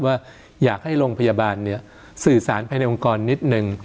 ว่าอยากให้โรงพยาบาลสื่อสารภายในองค์กรนิดนึง